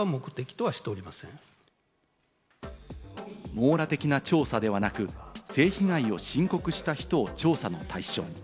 網羅的な調査ではなく、性被害を申告した人を調査の対象に。